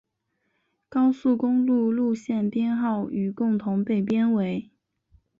高速公路路线编号与共同被编为。